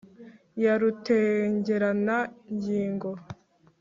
Ya rutengerana ngingo